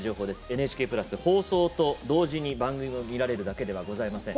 ＮＨＫプラスは放送と同時に番組を見られるだけではありません。